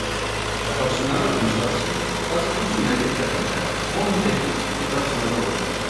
El personal del consorci pot ser funcionari de carrera o interí i personal laboral.